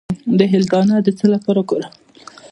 د هل دانه د څه لپاره وکاروم؟